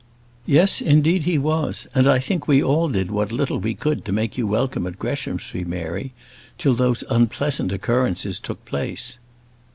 "Yes, indeed he was; and I think we all did what little we could to make you welcome at Greshamsbury, Mary, till those unpleasant occurrences took place."